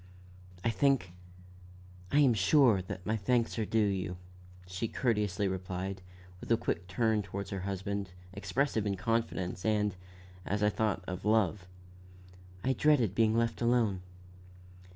"I think I am sure, that my thanks are due you," she courteously replied, with a quick turn toward her husband, expressive of confidence, and, as I thought, of love. "I dreaded being left alone."